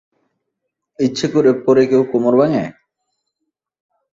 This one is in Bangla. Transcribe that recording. ইচ্ছে করে পড়ে কেউ কোমর ভাঙে?